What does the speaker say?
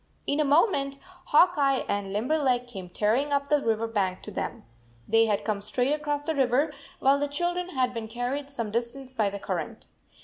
In a moment Hawk Eye and Limberleg came tearing up the river bank to them. They had come straight across the river, while the children had been carried some distance by the current.